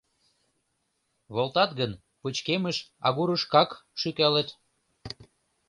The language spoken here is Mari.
Волтат гын, пычкемыш агурышкак шӱкалыт.